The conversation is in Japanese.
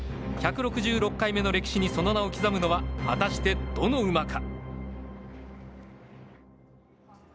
１６６回目の歴史にその名を刻むのは果たしてどの馬か！